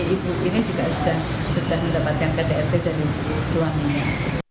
ibu ini juga sudah didapatkan ke drt dari suaminya